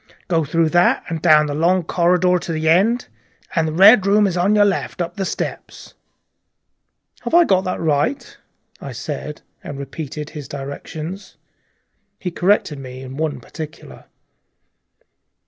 Go through that, and down the long corridor to the end, and the Red Room is on your left up the steps." "Have I got that right?" I said, and repeated his directions. He corrected me in one particular.